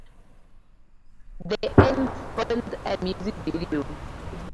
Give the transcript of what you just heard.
"The End" spawned a music video.